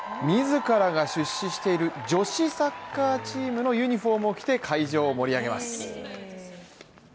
自らが出資している女子サッカーチームのユニフォームを着て会場を盛り上げます。